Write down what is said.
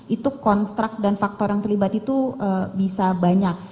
itu konstrak dan faktor yang terlibat itu bisa banyak